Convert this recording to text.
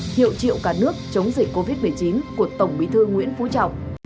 hiệu triệu cả nước chống dịch covid một mươi chín của tổng bí thư nguyễn phú trọng